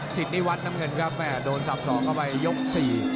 ศิษย์นิวัตรน้ำเงินกาแฟโดนสับสองเข้าไปยกสี่